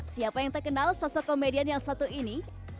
siapa yang terkenal sosok komedian yang satu ini